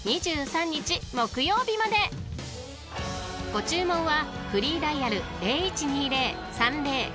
［ご注文は］